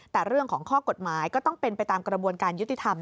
แต่เรื่องของข้อกฎหมายก็ต้องเป็นไปตามกระบวนการยุติธรรม